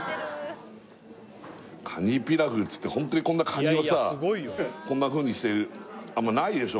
カニピラフっつってホントにこんなカニをさこんなふうにしてるあんまないでしょ